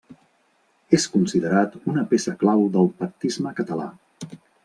És considerat una peça clau del pactisme català.